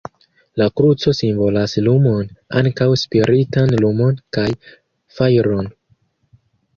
La kruco simbolas lumon, ankaŭ spiritan lumon, kaj fajron.